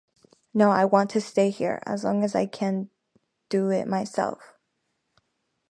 No, I want to stay here, as long as I can do it myself.